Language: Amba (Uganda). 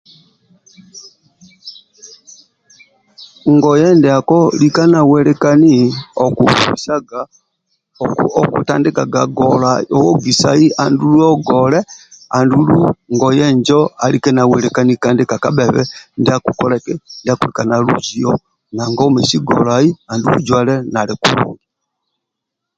Ngoye ndiako lika nawelekani akubisaga okutandikaga ogisai andulu ngoye injo alike nawelekani kandi kakabhe ndia kokoleki ndyakulika nalujiyo nanga omesi golai andulu ojwale nalikulungi